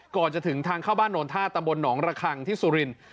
ก่อนจะถึงทางเข้าบ้านโนนท่าตำบลหนองระคังที่สุรินทร์